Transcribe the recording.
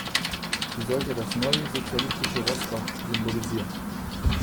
Sie sollte das neue, sozialistische Rostock symbolisieren.